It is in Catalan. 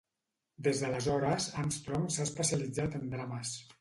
Des d'aleshores, Armstrong s'ha especialitzat en drames.